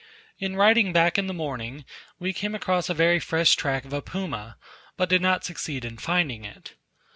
In riding back in the morning we came across a very fresh track of a Puma, but did not succeed in finding it.